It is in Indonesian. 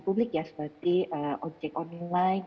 publik ya seperti ojek online